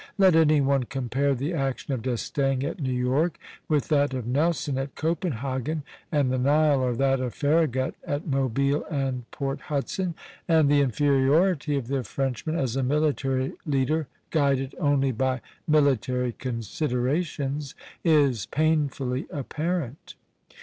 Let any one compare the action of D'Estaing at New York with that of Nelson at Copenhagen and the Nile, or that of Farragut at Mobile and Port Hudson, and the inferiority of the Frenchman as a military leader, guided only by military considerations, is painfully apparent.